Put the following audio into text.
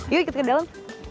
yuk ikut ke dalam